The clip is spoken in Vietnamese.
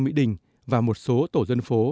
mỹ đình và một số tổ dân phố